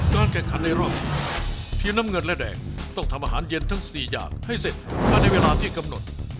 แข่งขันในรอบเพียงน้ำเงินและแดงต้องทำอาหารเย็นทั้ง๔อย่างให้เสร็จภายในเวลาที่กำหนด